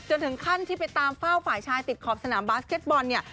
ถึงขั้นที่ไปตามเฝ้าฝ่ายชายติดขอบสนามบาสเก็ตบอลเนี่ย